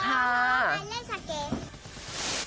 ไปไหนมาเถอะไปเล่นสังเกต